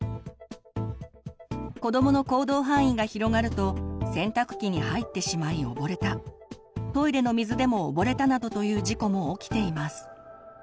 子どもの行動範囲が広がると洗濯機に入ってしまい溺れたトイレの水でも溺れたなどという事故も起きています。